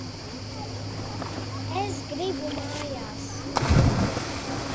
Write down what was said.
Es gribu mājās!